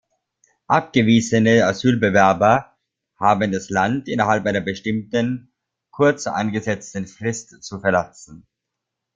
Abgewiesene Asylbewerber haben das Land innerhalb einer bestimmten, kurz angesetzten Frist zu verlassen.